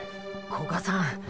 古賀さん。